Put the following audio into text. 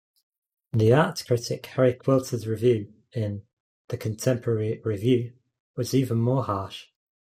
The art critic Harry Quilter's review in "The Contemporary Review" was even more harsh.